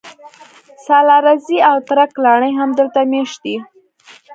سالارزي او ترک لاڼي هم دلته مېشت دي